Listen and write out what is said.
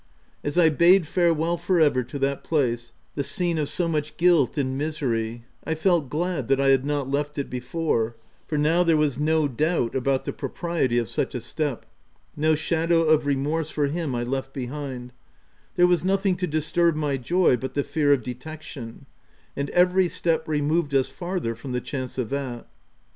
116 THE TENANT As I bade farewell for ever to that place, the scene of so much guilt and misery, I felt glad that I had not left it before, for now there was no doubt about the propriety of such a step — no shadow of remorse for him I left behind : there was nothing to disturb my joy but the fear of detection ; and every step removed us farther from the chance of that.